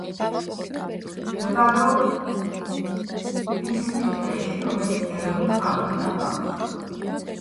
მდებარეობს ტიჟუკის ტყეში, რომელიც ეროვნულ პარკადაა გამოცხადებული.